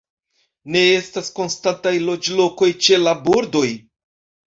Ne estas konstantaj loĝlokoj ĉe la bordoj.